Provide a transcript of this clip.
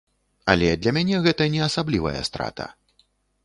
Але для мяне гэта не асаблівая страта.